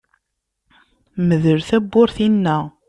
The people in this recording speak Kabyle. Mdel tawwurt-inna!